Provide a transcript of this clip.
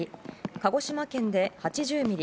鹿児島県で８０ミリ